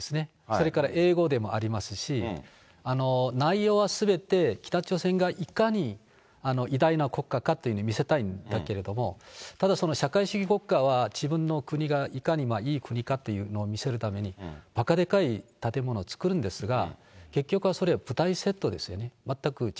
それから英語でもありますし、内容はすべて、北朝鮮がいかに偉大な国家かというのを見せたいんだけれども、ただその社会主義国家は、自分の国がいかにいい国かというのを見せるために、ばかでかい建物を造るんですが、結局はそれ、舞台セットですよね、